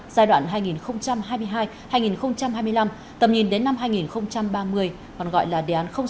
giai đoạn hai nghìn hai mươi hai hai nghìn hai mươi năm tầm nhìn đến năm hai nghìn ba mươi còn gọi là đề án sáu